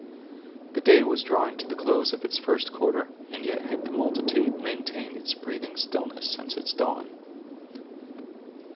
The day was drawing to the close of its first quarter, and yet had the multitude maintained its breathing stillness since its dawn.